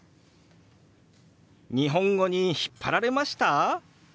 日本語に引っ張られました？